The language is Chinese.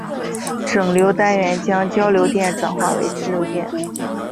整流单元将交流电转化为直流电。